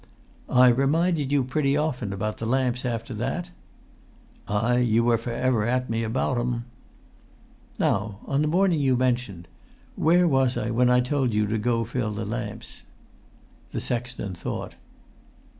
"I reminded you pretty often about the lamps after that?" "Ay, you were for ever at me about 'em." "Now, on the morning you mention, where was I when I told you to go and fill the lamps?" The sexton thought.